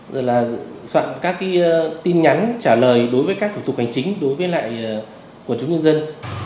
rồi soạn các tin nhắn trả lời đối với các thủ tục hành chính đối với quần chúng dân